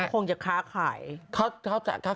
คงคือค้าขาย